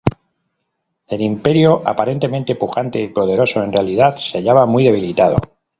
El imperio, aparentemente pujante y poderoso, en realidad se hallaba muy debilitado.